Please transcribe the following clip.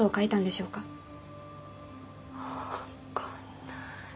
分かんない。